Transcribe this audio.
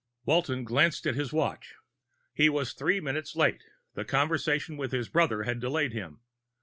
Walton glanced at his watch. He was three minutes late; the conversation with his brother had delayed him.